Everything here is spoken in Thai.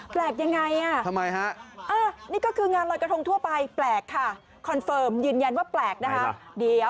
แปลกยังไงอ่ะทำไมฮะนี่ก็คืองานลอยกระทงทั่วไปแปลกค่ะคอนเฟิร์มยืนยันว่าแปลกนะคะ